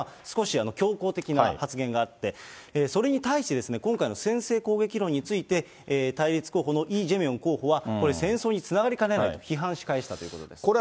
少し強硬的な発言があって、それに対して、今回の先制攻撃論について、対立候補のイ・ジェミョン候補は、これ、戦争につながりかねないと批判し返したということです。